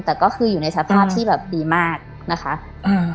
แต่ก็คืออยู่ในสภาพที่แบบดีมากนะคะอืม